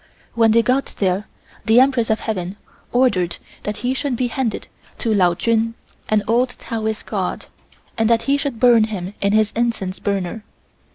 When they got there the Empress of Heaven ordered that he should be handed to Lao Chun, an old taoist god, and that he should burn him in his incense burner.